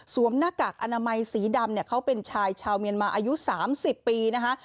หน้ากากอนามัยสีดำเนี่ยเขาเป็นชายชาวเมียนมาอายุ๓๐ปีนะคะ